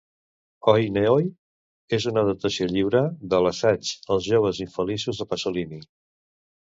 "Oi Néoi" és una adaptació lliure de l'assaig Els joves infeliços de Passolini.